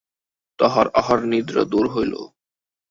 তাঁহার আহারনিদ্রা দূর হইল।